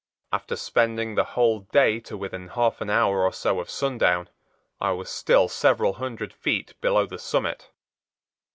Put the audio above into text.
After spending the whole day to within half an hour or so of sundown, I was still several hundred feet below the summit.